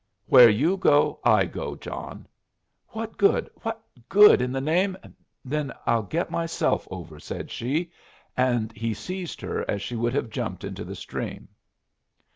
"Where you go, I go, John." "What good, what good, in the name " "Then I'll get myself over," said she. And he seized her as she would have jumped into the stream.